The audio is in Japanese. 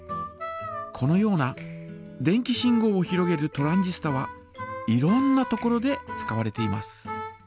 このような電気信号をひろげるトランジスタはいろんなところで使われています。